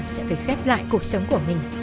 sẽ phải khép lại cuộc sống của mình